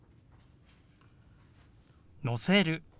「載せる」。